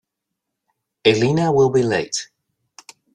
Elena will be late.